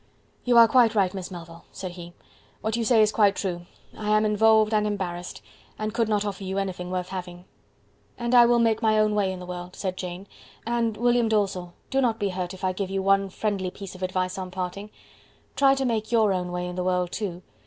"You are quite right, Miss Melville," said he; "what you say is quite true. I am involved and embarrassed, and could not offer you anything worth having." "And I will make my own way in the world," said Jane; "and, William Dalzell, do not be hurt if I give you one friendly piece of advice on parting try to make your own way in the world too.